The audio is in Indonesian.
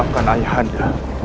bukan ayah anda